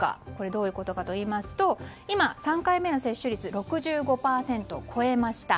どういうことかといいますと今、３回目の接種率は６５％を超えました。